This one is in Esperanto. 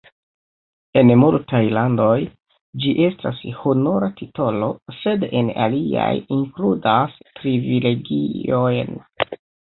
En multaj landoj, ĝi estas honora titolo, sed en aliaj inkludas privilegiojn.